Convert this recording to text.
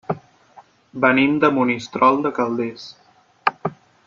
Venim de Monistrol de Calders.